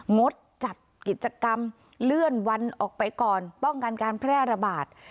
งดจัดกิจกรรมเลื่อนวันออกไปก่อนป้องกันการแพร่ระบาด